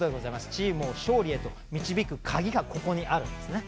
チームを勝利へと導く鍵が、ここにあるんですね。